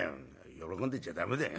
「喜んでちゃ駄目だよ。